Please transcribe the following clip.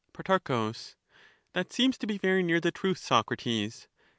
Pro, That seems to be very near the truth, Socrates.